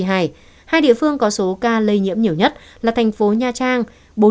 hai địa phương có số ca lây nhiễm nhiều nhất là thành phố nha trang